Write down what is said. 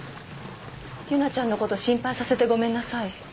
「優奈ちゃんのこと心配させてごめんなさい」